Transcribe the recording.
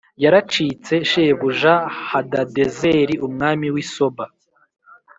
yaracitse shebuja Hadadezeri umwami w i Soba